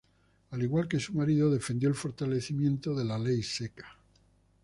Al igual que su marido, defendió el fortalecimiento de la ley seca.